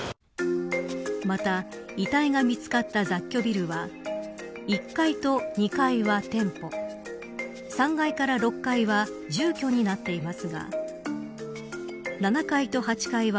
また、遺体が見つかった雑居ビルは１階と２階は店舗３階から６階は住居になっています。